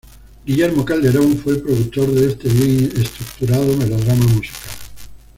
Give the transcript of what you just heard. Guillermo Calderón fue el productor de este bien estructurado melodrama musical.